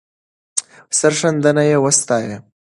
سرښندنه یې وستایه.